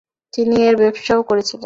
তিনি এর ব্যবসাও করেছিলেন।